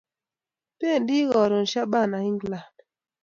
Pendi karon shabana England